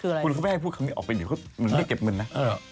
คุณเขาไม่ให้พูดคำนี้ออกไปเดี๋ยวมันไม่เก็บเงินนะ